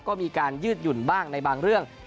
ก็มีการยืดหยุ่นบ้างในบางเรื่อง